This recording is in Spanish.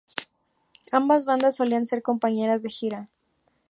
Ambas bandas solían ser compañeras de gira.